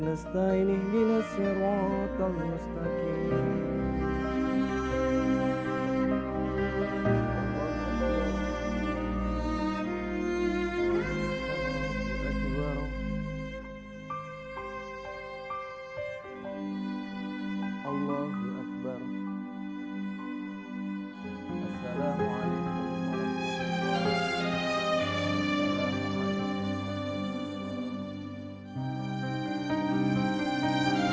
assalamualaikum warahmatullahi wabarakatuh